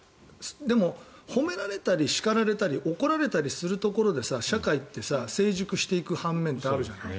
でも、褒められたり叱られたり怒られたりするところで社会って成熟していく半面があるじゃない。